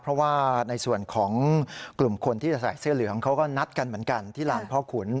เพราะว่าในส่วนของกลุ่มคนที่จะใส่เสื้อเหลืองเขาก็นัดกันเหมือนกันที่ลานพ่อขุน